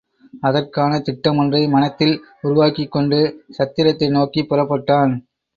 அதற்கான திட்டமொன்றை மனத்தில் உருவாக்கிக்கொண்டு சத்திரத்தை நோக்கிப் புறப்பட்டான்.